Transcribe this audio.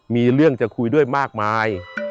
มีเรื่องจะคุยด้วยมากมาย